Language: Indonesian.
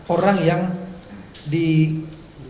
orang yang ditampilkan